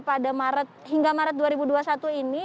pada maret hingga maret dua ribu dua puluh satu ini